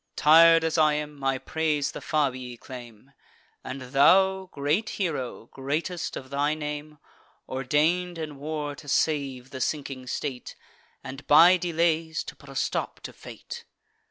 Tir'd as I am, my praise the Fabii claim; And thou, great hero, greatest of thy name, Ordain'd in war to save the sinking state, And, by delays, to put a stop to fate!